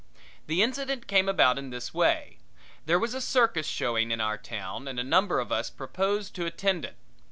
The incident came about in this way. There was a circus showing in our town and a number of us proposed to attend it.